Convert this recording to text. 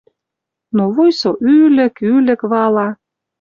Но вуй со ӱлӹк, ӱлӹк вала...